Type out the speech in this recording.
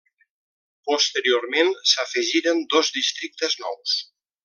Posteriorment s'afegiren dos districtes nous.